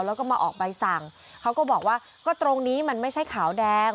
แล้วก็มาออกใบสั่งเขาก็บอกว่าก็ตรงนี้มันไม่ใช่ขาวแดง